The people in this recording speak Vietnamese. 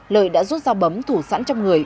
lợi đã rút dao bấm thủ sẵn trong người